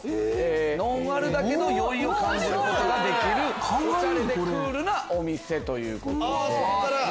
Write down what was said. ノンアルだけど酔いを感じることができるおしゃれでクールなお店ということで。